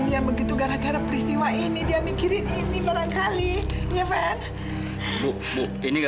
ibu ganti dulu ya